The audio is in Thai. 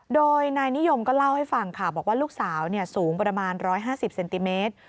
โดยนายนิยมก็เล่าให้ฟังค่ะบอกว่าลูกสาวสูงประมาณ๑๕๐เซนติเมตร